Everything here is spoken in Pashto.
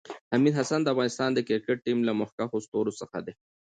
حمید حسن د افغانستان د کريکټ ټیم له مخکښو ستورو څخه ده